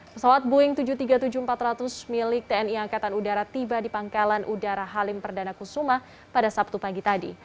pesawat boeing tujuh ratus tiga puluh tujuh empat ratus milik tni angkatan udara tiba di pangkalan udara halim perdana kusuma pada sabtu pagi tadi